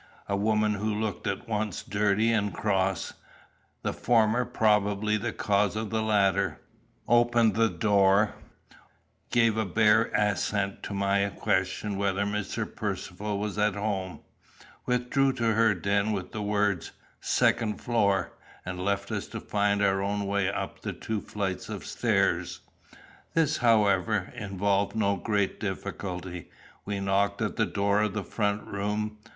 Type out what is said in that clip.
A woman who looked at once dirty and cross, the former probably the cause of the latter, opened the door, gave a bare assent to my question whether Mr. Percivale was at home, withdrew to her den with the words "second floor," and left us to find our own way up the two flights of stairs. This, however, involved no great difficulty. We knocked at the door of the front room.